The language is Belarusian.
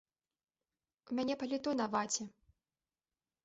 У мяне паліто на ваце.